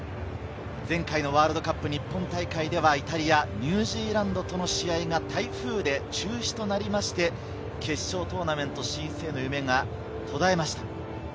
前回のワールドカップ日本大会では、イタリア、ニュージーランドとの試合が台風で中止となりまして、決勝トーナメント進出への夢が途絶えました。